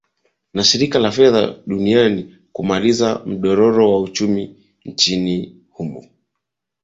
na shirika la fedha duniani kumaliza mdororo wa uchumi nchini humo